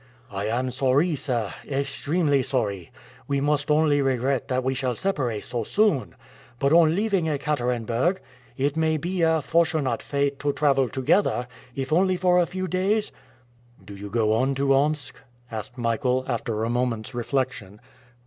"I am sorry, sir, extremely sorry; we must only regret that we shall separate so soon! But on leaving Ekaterenburg it may be our fortunate fate to travel together, if only for a few days?" "Do you go on to Omsk?" asked Michael, after a moment's reflection.